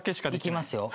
いきますよ。